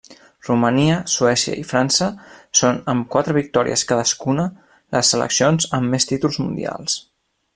Romania, Suècia i França són, amb quatre victòries cadascuna, les seleccions amb més títols mundials.